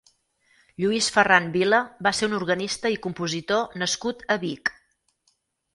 Lluís Ferran Vila va ser un organista i compositor nascut a Vic.